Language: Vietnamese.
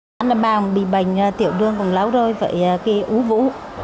năm năm bà bị bệnh tiểu đương còn lâu rồi vậy cái ú vũ